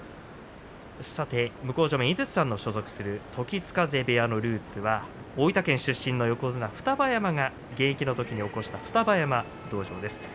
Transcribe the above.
さて、向正面の井筒さんの所属する時津風部屋の同期は同郷の大分県出身の横綱双葉山が現役のときに興した双葉山道場です。